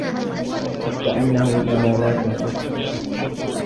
كأنه جمالت صفر